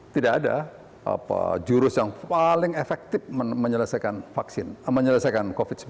tidak ada jurus yang paling efektif menyelesaikan covid sembilan belas